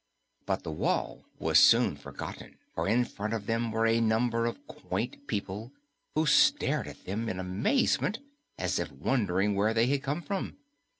But the wall was soon forgotten, for in front of them were a number of quaint people who stared at them in amazement as if wondering where they had come from.